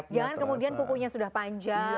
jangan kemudian kukunya sudah panjang